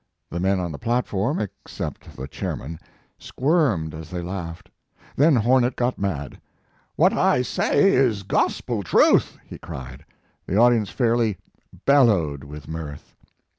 The men on the platform, except the chairman, squirmed as they laughed. Then Hornet got mad. "What I say is Gospel truth, "he cried. The audi ence fairly bellowed with mirth.